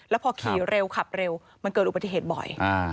แล้วพอขี่เร็วขับเร็วมันเกิดอุบัติเหตุบ่อย